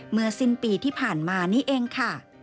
เมื่อสิ้นปีที่ผ่านมานี่เองค่ะ